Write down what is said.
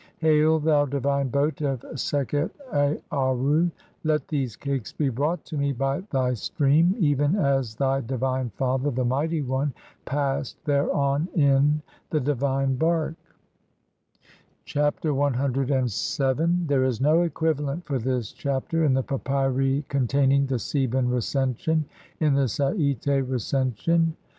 Hail, thou divine boat of Sekhet "Aarru, let these cakes be brought to me (4) by thy stream, "even as thy divine father, the mighty one, passed thereon in "the divine bark." Chapter CVII. There is no equivalent for this Chapter in the papyri con taining the Theban Recension. In the Sa'ite Recension (see Lepsius, op. cit., Bl.